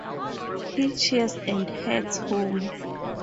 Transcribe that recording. He cheers and heads home.